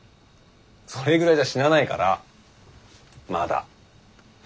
それぐらいじゃ死なないからまだ。